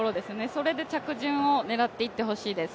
それで着順を狙っていってほしいです。